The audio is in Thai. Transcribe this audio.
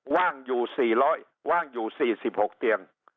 ว่างอยู่๔๐๐ว่างอยู่๔๖เตียง